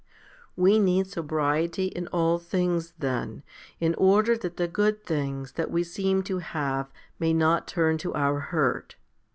We need sobriety in all things, then, in order that the good things that we seem to have may not turn to our hurt.